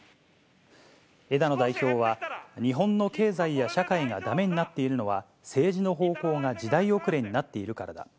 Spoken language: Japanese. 枝野代表は、日本の経済や社会がだめになっているのは、政治の方向が時代遅れになっているからだ。